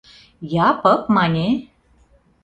Япык, мане?..